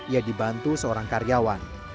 ia dibantu seorang karyawan